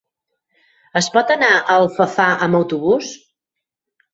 Es pot anar a Alfafar amb autobús?